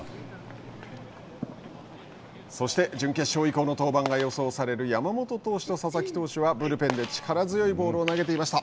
そして、準決勝以降の登板が予想される山本投手と佐々木投手はブルペンで力強いボールを投げていました。